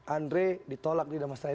andre ditolak di damastraya